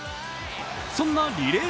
そんなリレー